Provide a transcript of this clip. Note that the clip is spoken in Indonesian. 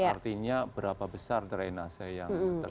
artinya berapa besar drainase yang